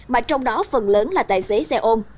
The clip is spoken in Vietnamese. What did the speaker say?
mà trong đó phần lớn là tài xế xe ôm